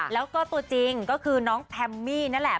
แล้วก็ตัวจริงก็คือน้องแพมมี่นั่นแหละ